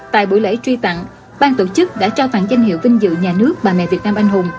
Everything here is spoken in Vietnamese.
tại buổi lễ truy tặng bang tổ chức đã trao tặng danh hiệu vinh dự nhà nước bà mẹ việt nam anh hùng